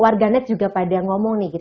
warganet juga pada ngomong nih